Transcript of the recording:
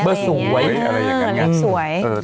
เลขสวยเลขอะไรอย่างนั้น